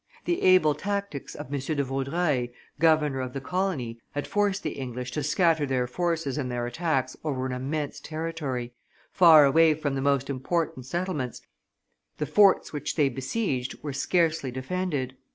The able tactics of M. de Vaudreuil, governor of the colony, had forced the English to scatter their forces and their attacks over an immense territory, far away from the most important settlements; the forts which they besieged were scarcely defended.